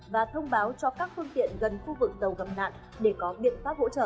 và thông báo cho các phương tiện gần khu vực tàu gặp nạn để có biện pháp hỗ trợ